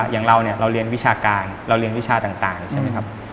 อย่างเราเนี่ยเราเรียนวิชาการเราเรียนวิชาต่างใช่ไหมครับ